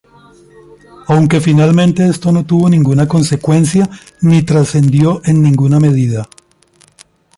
Aunque finalmente esto no tuvo ninguna consecuencia ni trascendió en ninguna medida.